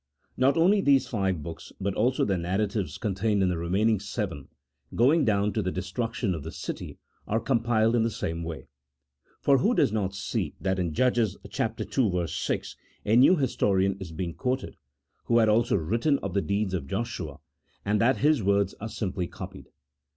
Not only these five books, but also the narratives contained in the remaining seven, going down to the destruction of the city, are compiled in the same way. For who does not see that in Judges ii. 6 a new historian is being quoted, who had also written of the deeds of Joshua, and that his words are simply copied